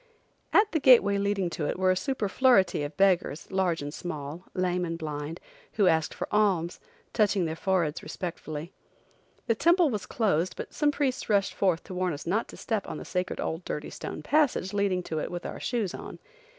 At the gateway leading to it were a superfluity of beggars, large and small, lame and blind, who asked for alms, touching their foreheads respectfully. The temple was closed but some priests rushed forth to warn us not step on the sacred old dirty stone passage leading to it with our shoes on.